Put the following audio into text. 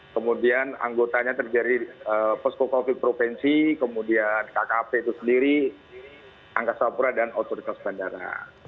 kemudian anggotanya terjadi posko covid provinsi kemudian kkp itu sendiri angkasa pura dan otoritas bandara